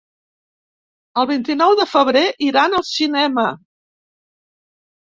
El vint-i-nou de febrer iran al cinema.